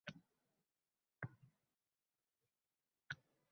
va er ayolining puliga egalik qilishga